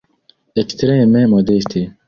Ekstreme modeste.